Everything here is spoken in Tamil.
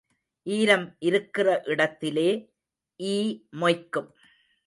ஈரம் இருக்கிற இடத்திலே ஈ மொய்க்கும்.